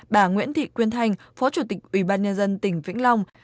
bà nguyễn thị quyên thanh phó chủ tịch ủy ban nhân dân tỉnh vĩnh long